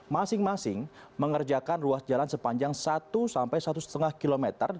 masing masing mengerjakan ruas jalan sepanjang satu sampai satu lima km